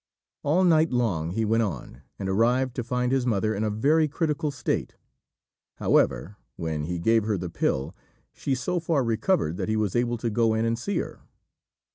All night long he went on, and arrived to find his mother in a very critical state; however, when he gave her the pill she so far recovered that he was able to go in and see her.